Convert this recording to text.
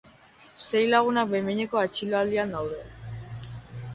Sei lagunak behin-behineko atxiloaldian daude.